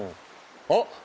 あっ！